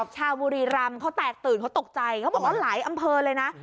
ชาวบุรีรำเขาแตกตื่นเขาตกใจเขาบอกว่าหลายอำเภอเลยนะ